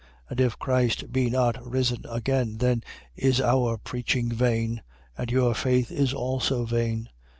15:14. And if Christ be not risen again, then is our preaching vain: and your faith is also vain.